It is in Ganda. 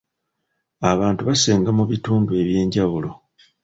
Abantu basenga mu bitundu eby'enjawulo.